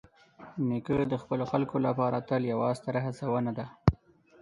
نیکه د خپلو خلکو لپاره تل یوه ستره هڅونه ده.